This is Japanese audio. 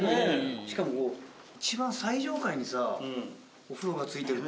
しかもこういちばん最上階にさお風呂がついてるって。